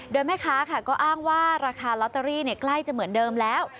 โดยแม่ค้าค่ะก็อ้างว่าราคาลอตเตอรี่ใกล้จะเหมือนเดิมแล้ว